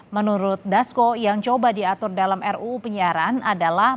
menurut dasko yang coba diatur dalam ruu penyiaran adalah